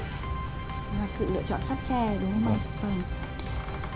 hoặc sự lựa chọn phát khe đúng không ạ